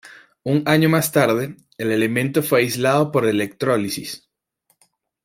Un año más tarde, el elemento fue aislado por electrólisis.